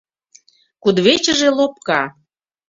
кудывечыже лопка